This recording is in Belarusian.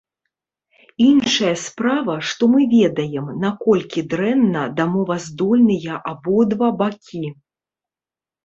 Іншая справа, што мы ведаем, наколькі дрэнна дамоваздольныя абодва бакі.